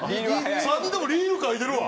３人ともリール描いてるわ。